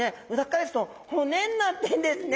返すと骨になってるんですね。